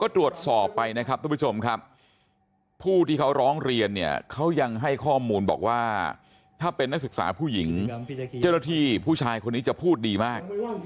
ถ้าเป็นนักศึกษาผู้หญิงเจ้าหน้าที่ผู้ชายคนนี้จะพูดดีมาก